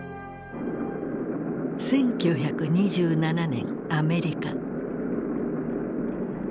１９２７年アメリカ。